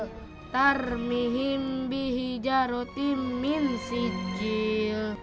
wa arsala alaihim bihi jarotim min sijil